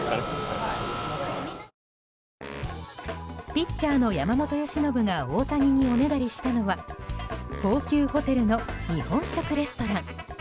ピッチャーの山本由伸が大谷におねだりしたのは高級ホテルの日本食レストラン。